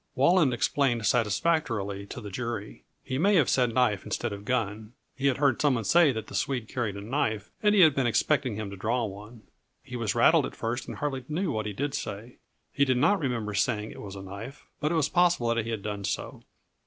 Walland explained satisfactorily to the jury. He may have said knife instead of gun. He had heard some one say that the Swede carried a knife, and he had been expecting him to draw one. He was rattled at first and hardly knew what he did say. He did not remember saying it was a knife, but it was possible that he had done so.